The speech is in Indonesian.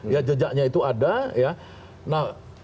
ya jejaknya itu ada